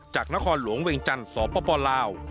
จากนครหลวงเวียงจันทร์สปลาว